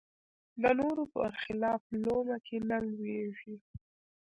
د نورو بر خلاف لومه کې نه لویېږي